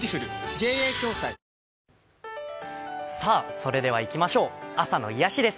それではいきましょう、朝の癒やしです。